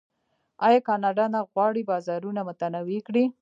آیا کاناډا نه غواړي بازارونه متنوع کړي؟